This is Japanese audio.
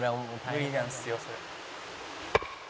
「無理なんですよそれ」